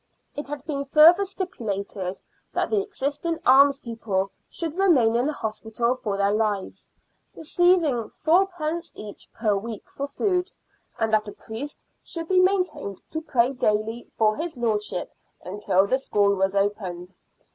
It had been further stipu lated that the existing almspeople should remain in the hospital for their lives, receiving fourpence each per week for food, and that a .priest should be maintained to pray daily for his lordship until the school was opened.